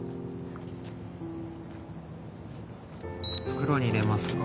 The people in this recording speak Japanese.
袋に入れますか？